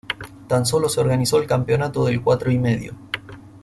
Tan solo se organizó el campeonato del Cuatro y Medio.